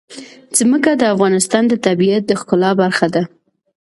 ځمکه د افغانستان د طبیعت د ښکلا برخه ده.